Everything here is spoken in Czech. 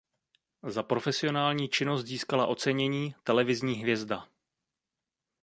Za profesionální činnost získala ocenění "Televizní hvězda".